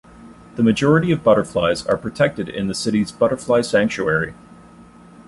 The majority of butterflies are protected in the city's Butterfly Sanctuary.